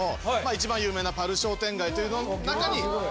一番有名なパル商店街っていうのの中に。